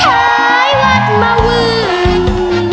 ท้ายวัดมาเวิน